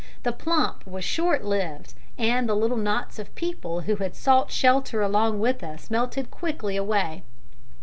The plump was short lived, and the little knots of people who had sought shelter along with us melted quickly away.